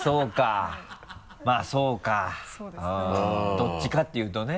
どっちかっていうとね。